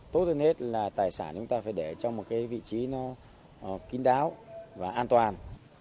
tốt hơn hết là tài sản chúng ta phải để cho một cái vị trí nó kín đáo và an toàn